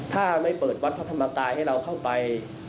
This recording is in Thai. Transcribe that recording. ถ้าไม่เปิดวัดพระธรรมกายให้เราเข้าไป